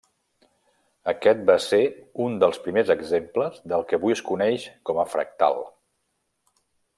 Aquest va ser un dels primers exemples del que avui es coneix com a fractal.